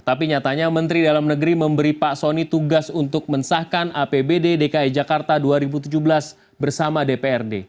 tapi nyatanya menteri dalam negeri memberi pak soni tugas untuk mensahkan apbd dki jakarta dua ribu tujuh belas bersama dprd